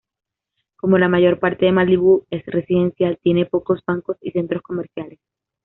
Como la mayor parte de Malibú es residencial, tiene pocos bancos y centros comerciales.